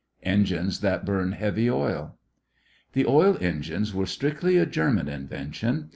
ENGINES THAT BURN HEAVY OIL The oil engines were strictly a German invention.